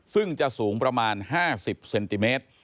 ซึ่งจะสูงประมาณ๕๐เซนติเมตร